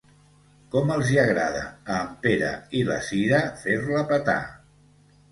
Com els hi agrada a en Pere i la Sira fer-la petar.